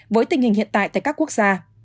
với tình hình hiện tại tại các quốc gia